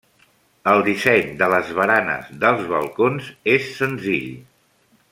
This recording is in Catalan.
El disseny de les baranes dels balcons és senzill.